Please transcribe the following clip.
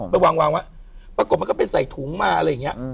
ไปวางปรากฎว่ามันก็เป็นใส่ถุงมาอะไรอย่างเนี่ย